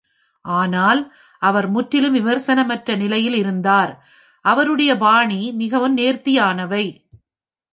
ஆனால், அவர் முற்றிலும் விமர்சனமற்ற நிலையில் இருந்தார். அவருடைய பாணி மிகவும் நேர்த்தியானவை.